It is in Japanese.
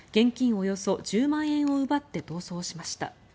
およそ１０万円を奪って逃走しました。